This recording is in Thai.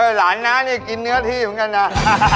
หลานน้านี่กินเนื้อที่เหมือนกันนะ